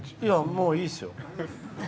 もういいっすよ。